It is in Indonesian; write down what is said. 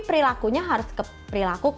perilakunya harus ke perilaku